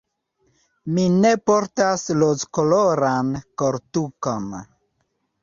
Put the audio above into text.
Mi ne portas rozkoloran koltukon.